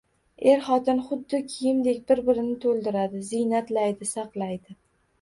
Er-xotin xuddi kiyimdek bir-birini to‘ldiradi, ziynatlaydi, saqlaydi.